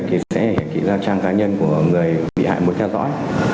thì sẽ hiện kỹ ra trang cá nhân của người bị hại muốn theo dõi